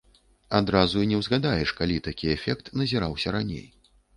Адразу і не ўзгадаеш, калі такі эфект назіраўся раней.